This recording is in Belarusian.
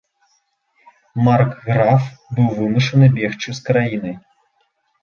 Маркграф быў вымушаны бегчы з краіны.